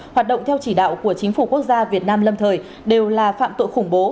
hoạt động theo chỉ đạo của chính phủ quốc gia việt nam lâm thời đều là phạm tội khủng bố